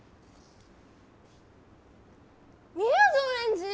みやぞんエンジ